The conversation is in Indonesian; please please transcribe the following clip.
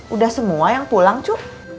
udah semua yang pulang cu